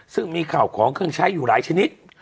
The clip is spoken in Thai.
ซึ่งมีข่าวของเครื่องใช้อยู่หลายชนิด